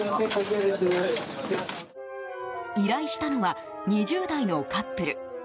依頼したのは２０代のカップル。